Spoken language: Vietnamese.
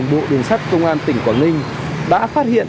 chứ cũng phải chả đi đâu kìa